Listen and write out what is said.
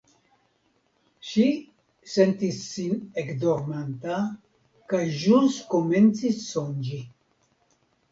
Ŝi sentis sin ekdormanta, kaj ĵus komencis sonĝi.